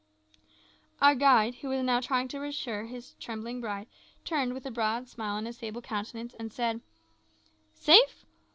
Our guide, who was now trying to reassure his trembling bride, turned, with a broad grin on his sable countenance, and said "Safe?